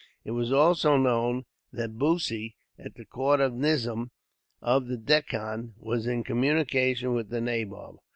It was also known that Bussy, at the court of the Nizam of the Deccan, was in communication with the nabob.